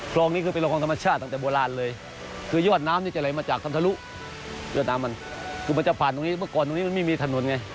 เพราะว่ามันมีผู้หญิงไง